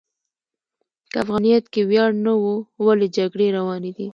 که افغانیت کې ویاړ نه و، ولې جګړې روانې دي؟